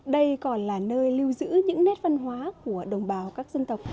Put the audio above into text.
đây còn là nơi lưu giữ những nét văn hóa của đồng bào các dân tộc